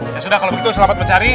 ya sudah kalau begitu selamat mencari